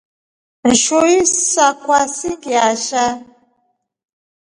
Nshui sakwe sii ngiasha.